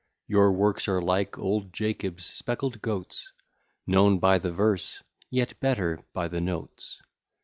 Your works are like old Jacob's speckled goats, Known by the verse, yet better by the notes.